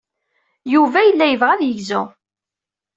Yuba yella yebɣa ad yegzu.